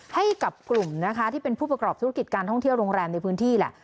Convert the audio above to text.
ให้กับกลุ่มนะคะที่เป็นผู้ประกอบธุรกิจการท่องเที่ยวโรงแรมในพื้นที่แหละ